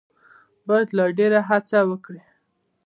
باید لا ډېره هڅه وکړي.